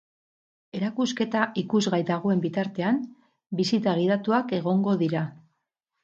Erakusketa ikusgai dagoen bitartean, bisita gidatuak egongo dira.